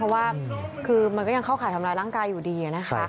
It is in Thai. เพราะว่าคือมันก็ยังเข้าข่ายทำร้ายร่างกายอยู่ดีนะคะ